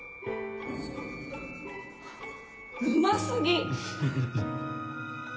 うま過ぎ！